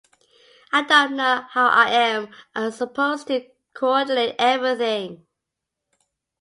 I don't know how I am supposed to co-ordinate everything.